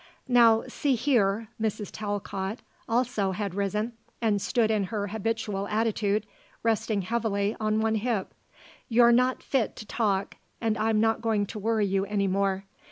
Now, see here," Mrs. Talcott, also, had risen, and stood in her habitual attitude, resting heavily on one hip, "you're not fit to talk and I'm not going to worry you any more.